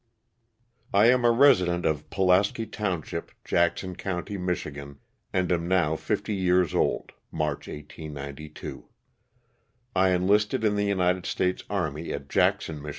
T AM a resident of Pulaski township, Jackson county, Mich., and am now fifty years old (March, 1892). I enlisted in the United States army, at Jackson, Mich.